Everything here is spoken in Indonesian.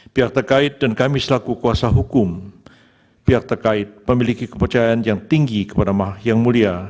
pihak terkait dan kami selaku kuasa hukum pihak terkait memiliki kepercayaan yang tinggi kepada maha yang mulia